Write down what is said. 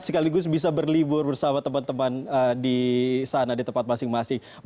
sekaligus bisa berlibur bersama teman teman di sana di tempat masing masing